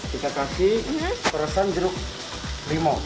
kita kasih perasan jeruk limau